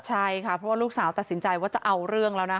ใช่ค่ะเพราะว่าลูกสาวตัดสินใจว่าจะเอาเรื่องแล้วนะคะ